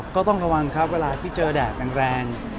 ก็ต้องระวังครับเวลาที่เจอแดดแรง